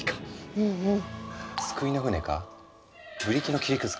うんうん。